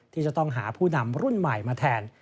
ที่จะต้องหาผู้นำรุ่นใหม่มาแทน